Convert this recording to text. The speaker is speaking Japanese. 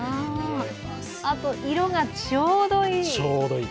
あと、色がちょうどいい。